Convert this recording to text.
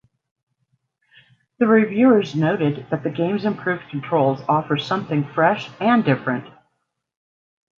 The reviewers noted that the game's improved controls offer something fresh and different.